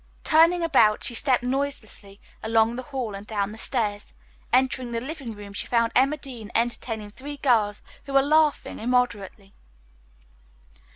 Turning about she stepped noiselessly along the hall and down the stairs. Entering the living room she found Emma Dean entertaining three girls who were laughing immoderately.